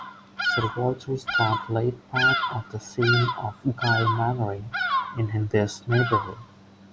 Sir Walter Scott laid part of the scene of "Guy Mannering" in this neighborhood.